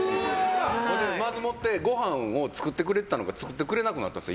まずもってごはんを作ってくれていたのが作ってくれなくなったんです